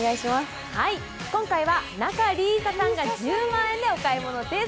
今回は仲里依紗さんが１０万円でお買い物です。